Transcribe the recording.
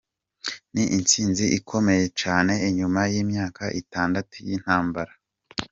Ni intsinzi ikomeye cane inyuma y'imyaka itandatu y'intambara.